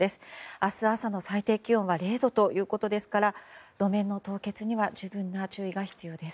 明日朝の最低気温は０度ということですから路面の凍結には十分な注意が必要です。